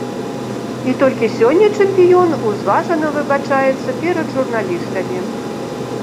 І толькі сёння чэмпіён узважана выбачаецца перад журналістамі.